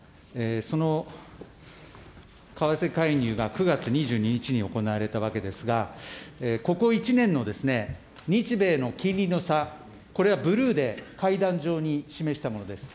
その為替介入が９月２２日に行われたわけですが、ここ１年の日米の金利の差、これはブルーで階段状に示したものです。